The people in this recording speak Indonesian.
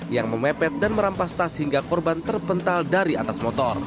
yang memepet dan merampas tas hingga korban terpental dari atas motor